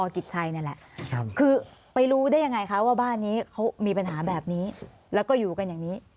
กิจชัยนี่แหละคือไปรู้ได้ยังไงคะว่าบ้านนี้เขามีปัญหาแบบนี้แล้วก็อยู่กันอย่างนี้